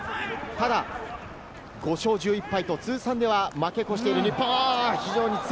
ただ５勝１１敗と通算では負け越している日本。